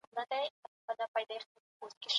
ځوانان د ټولني فعاله قوه ده.